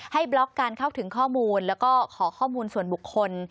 บล็อกการเข้าถึงข้อมูลแล้วก็ขอข้อมูลส่วนบุคคล